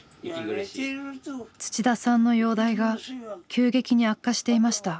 土田さんの容体が急激に悪化していました。